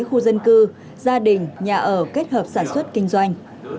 khu dân cư gia đình nhà ở kết hợp sản xuất kinh doanh